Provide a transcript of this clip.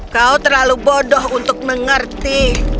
kau terlalu bodoh untuk mengerti